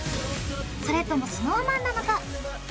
それともＳｎｏｗＭａｎなのか？